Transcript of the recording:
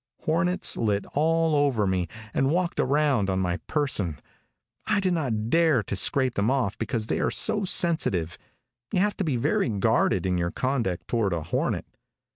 Hornets lit ah over me and walked around on my person. I did not dare to scrape them off because they are so sensitive. You have to be very guarded in your conduct toward a hornet.